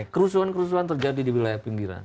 kerusuhan kerusuhan terjadi di wilayah pinggiran